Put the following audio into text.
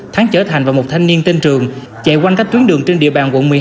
thắng trở thành và một thanh niên tên trường chạy quanh các tuyến đường trên địa bàn quận một mươi hai